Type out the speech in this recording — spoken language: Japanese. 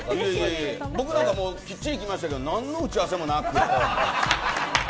僕なんかきっちり来ましたけど何の打ち合わせもなく。